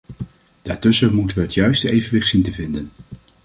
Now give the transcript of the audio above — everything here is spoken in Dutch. Daartussen moeten we het juiste evenwicht zien te vinden.